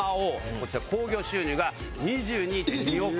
こちら興行収入が２２．２億円。